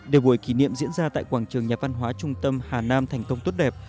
để buổi kỷ niệm diễn ra tại quảng trường nhà văn hóa trung tâm hà nam thành công tốt đẹp